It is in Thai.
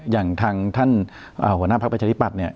อย่างทางท่านหัวหน้าพักประชาธิปัตย์เนี่ย